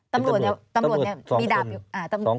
ตำรวจเนี่ยมีดาบ